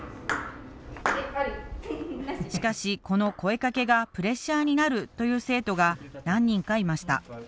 しかしこの声かけがプレッシャーになるという生徒が何人かいました。